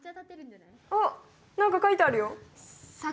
あっなんか書いてあるよ。